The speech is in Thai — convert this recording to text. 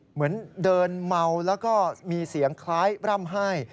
เหมือนเดินเมาแล้วก็มีเสียงคล้ายร่ำไห้